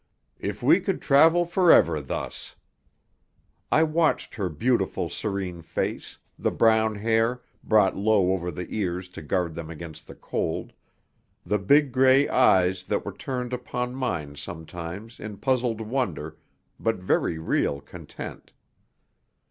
If we could travel forever thus! I watched her beautiful, serene face; the brown hair, brought low over the ears to guard them against the cold; the big grey eyes that were turned upon mine sometimes in puzzled wonder, but very real content.